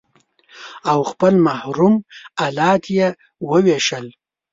او خپل محرم الات يې په وويشتل.